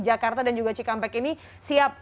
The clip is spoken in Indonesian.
jakarta dan juga cikampek ini siap